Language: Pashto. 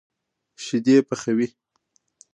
شيدې پخوي.